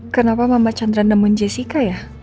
kenapa mama chandra namun jessica ya